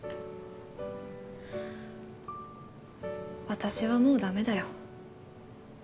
私はもうダメだよ。